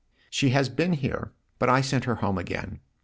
" She has been here, but I sent her home again."